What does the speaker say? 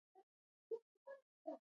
علم ټولنه له وروسته پاتې کېدو ژغوري.